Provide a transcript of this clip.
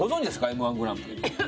Ｍ−１グランプリ。